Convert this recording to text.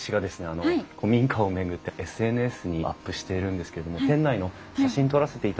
あの古民家を巡ってＳＮＳにアップしているんですけれども店内の写真撮らせていただいてもよろしいですか？